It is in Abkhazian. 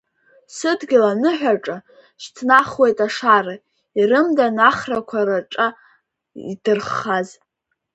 Сыдгьыл аныҳәаҿа шьҭнахуеит ашара, ирымдан ахрақәа раҿа идырххаз.